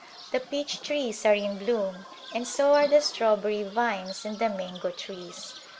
The peach trees are in bloom and so are the strawbem' vines and the mango trees.